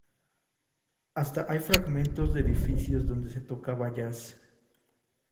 Hasta hay fragmentos de edificios donde se tocaba jazz.